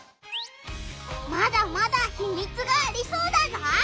まだまだひみつがありそうだぞ！